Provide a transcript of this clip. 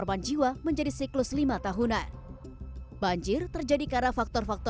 dan juga dengan semangat untuk terus menjadi yang terbaik